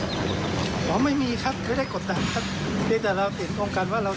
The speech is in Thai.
บอกกันว่าเราต้องการให้ปรากฏความจริง